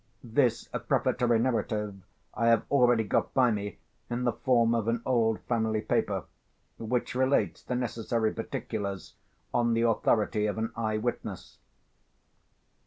This prefatory narrative I have already got by me in the form of an old family paper, which relates the necessary particulars on the authority of an eye witness.